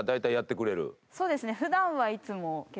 そうですね。